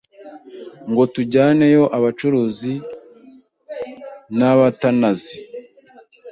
ngo tujyaneyo abacuzi n’abatanazi